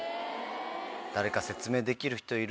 誰か説明できる人いる？